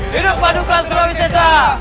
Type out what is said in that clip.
hidup paduka surawis sesa